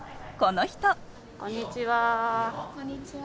こんにちは。